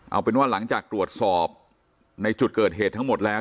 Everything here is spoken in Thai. เอาเป็นว่าหลังจากตรวจสอบในจุดเกิดเหตุทั้งหมดแล้ว